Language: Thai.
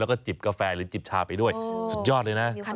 แล้วก็จิบกาแฟหรือจิบชาไปด้วยสุดยอดเลยนะ